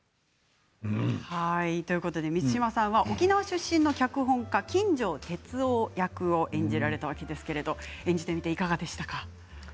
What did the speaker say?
満島さんは沖縄出身の脚本家、金城哲夫役を演じられたわけですけれども演じてみていかがでしたか？